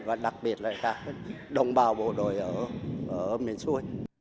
và đặc biệt là đồng bào bộ đội ở miền suối